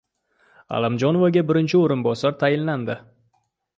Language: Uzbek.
Allamjonovga birinchi o‘rinbosar tayinlandi